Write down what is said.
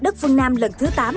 đất phương nam lần thứ tám